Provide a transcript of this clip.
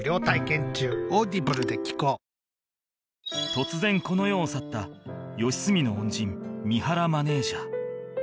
突然この世を去った良純の恩人三原マネージャー